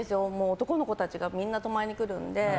男の子たちがみんな泊まりに来るので。